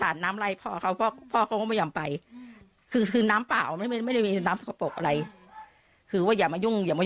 อันนั้นเรายังยันว่าเราไม่ได้การแกล้ง